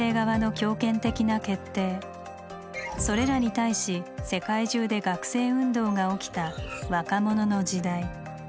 それらに対し世界中で学生運動が起きた若者の時代。